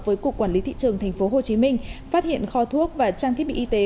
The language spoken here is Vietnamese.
với cục quản lý thị trường tp hcm phát hiện kho thuốc và trang thiết bị y tế